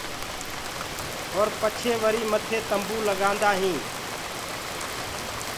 اور پڇي وري مٿي تمبو لگآندآ هينٚ۔